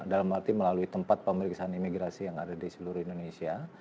dalam arti melalui tempat pemeriksaan imigrasi yang ada di seluruh indonesia